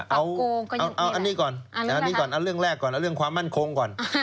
เอาอันนี้ก่อนอันนี้ก่อนเอาเรื่องแรกก่อนเอาเรื่องความมั่นคงก่อน